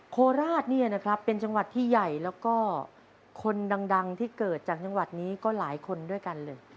โคราชเนี่ยนะครับเป็นจังหวัดที่ใหญ่แล้วก็คนดังที่เกิดจากจังหวัดนี้ก็หลายคนด้วยกันเลย